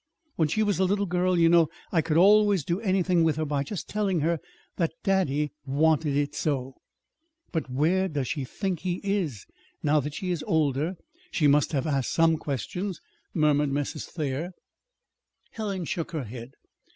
When she was a little girl, you know, I could always do anything with her by just telling her that daddy wanted it so." "But where does she think he is? Now that she is older, she must have asked some questions," murmured Mrs. Thayer. Helen shook her head.